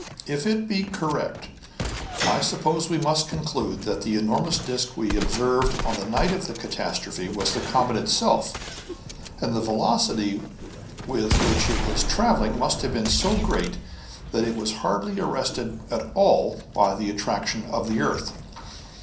"If it be correct, I suppose we must conclude that the enormous disc we observed on the night of the catastrophe was the comet itself; and the velocity with which it was traveling must have been so great that it was hardly arrested at all by the attraction of the earth."